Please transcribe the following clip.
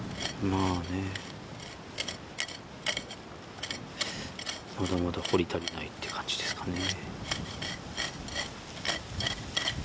まだまだ掘り足りないっていう感じですかね。